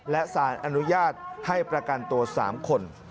และสารอนุญาตให้ประกันตัว๓คน